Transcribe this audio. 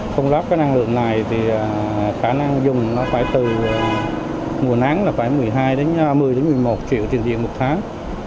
tôi lắp cái năng lượng này thì khả năng dùng nó phải từ mùa nắng là phải một mươi hai đến một mươi đến một mươi một triệu tiền điện một tháng